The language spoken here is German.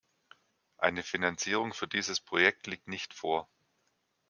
Eine Finanzierung für dieses Projekt liegt nicht vor.